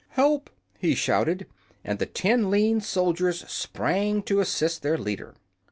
"Help!" he shouted, and the ten lean soldiers sprang to assist their leader.